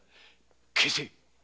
消せ。